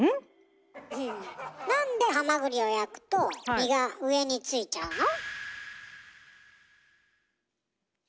なんでハマグリを焼くと身が上についちゃうの？